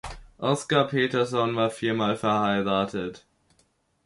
Oscar Peterson war viermal verheiratet.